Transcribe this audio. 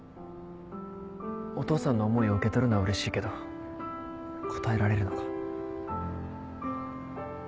お父さんの思いを受け取るのはうれしいけど応えられるのか。